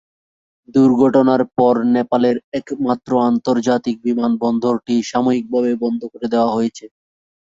দুর্ঘটনার পর নেপালের একমাত্র আন্তর্জাতিক বিমানবন্দরটি সাময়িকভাবে বন্ধ করে দেওয়া হয়েছে।